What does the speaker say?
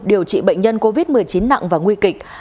điều trị bệnh nhân covid một mươi chín nặng và nguy kịch